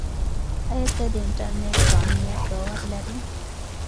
آیا ته د انټرنیټ په امنیت باور لرې؟